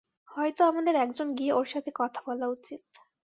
হয়তো আমাদের একজন গিয়ে ওর সাথে কথা বলা উচিত।